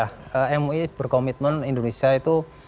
saya berkomitmen indonesia itu